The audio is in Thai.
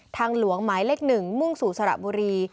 ทางหลวงหมายเลข๑มุ่งสู่สระบุรี